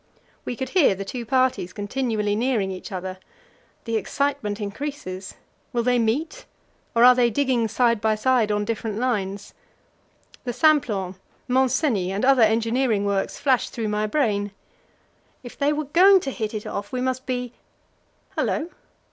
We could hear the two parties continually nearing each other. The excitement increases. Will they meet? Or are they digging side by side on different lines? The Simplon, Mont Cenis, and other engineering works, flashed through my brain. If they were going to hit it off, we must be hullo!